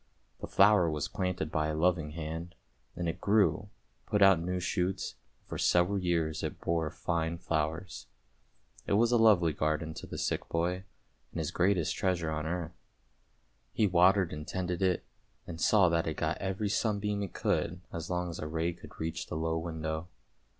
The flower was planted by a loving hand, and it grew, put out new shoots, and for several years it bore fine flowers. It was a lovely garden to the sick boy and his greatest treasure on earth. He watered and tended it, and saw that it got every sunbeam it could as long as a ray could reach the low window.